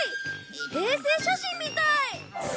衛星写真みたい。